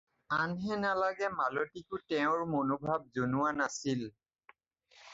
আনহে নালাগে মালতীকো তেওঁৰ মনোভাব জনোৱা নাছিল।